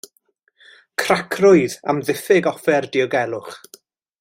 Cracrwydd am ddiffyg offer diogelwch.